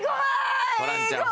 ホランちゃん